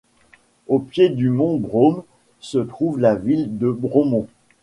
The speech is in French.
Au pied du mont Brome se trouve la ville de Bromont.